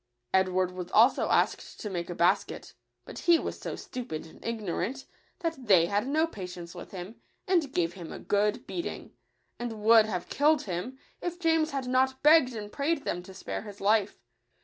Edward was also asked to make a basket; but he was so stupid and ignorant, that they had no patience with him, and gave him a good beating, and would have killed him, if James had not begged and prayed them to spare his life.